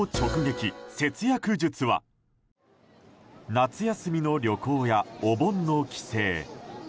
夏休みの旅行やお盆の帰省。